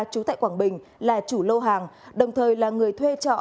chú tại quảng bình là chủ lô hàng đồng thời là người thuê trọ